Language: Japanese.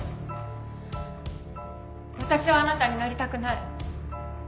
私はあなたになりたくない。